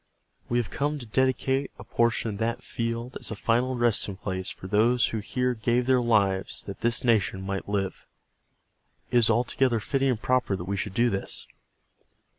We have come to dedicate a portion of that field as a final resting place for those who here gave their lives that this nation might live. It is altogether fitting and proper that we should do this.